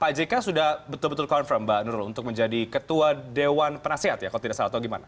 pak jk sudah betul betul confirm mbak nurul untuk menjadi ketua dewan penasehat ya kalau tidak salah atau gimana